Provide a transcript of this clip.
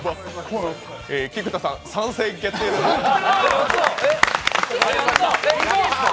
菊田さん、参戦決定でございます。